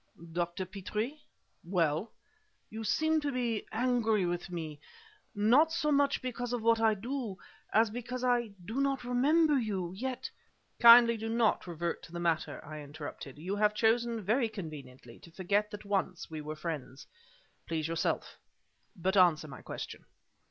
"Dr. Petrie " "Well?" "You seem to be angry with me, not so much because of what I do, as because I do not remember you. Yet " "Kindly do not revert to the matter," I interrupted. "You have chosen, very conveniently, to forget that once we were friends. Please yourself. But answer my question."